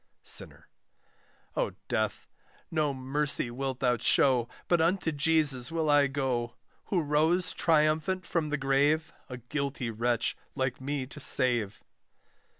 SINNER. O Death! no mercy wilt thou show, But unto Jesus will I go, Who rose triumphant from the grave, A guilty wretch like me to save.